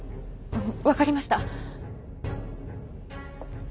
分かりました。